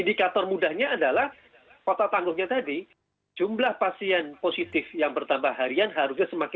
indikator mudahnya adalah kota tangguhnya tadi jumlah pasien positif yang bertambah harian harusnya semakin